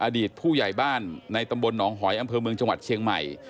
อดีตผู้ใหญ่บ้านในตำบลหนองหอยอำเภอเมืองจังหวัดเชียงใหม่